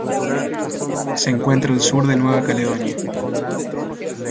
Se encuentra al sur de Nueva Caledonia.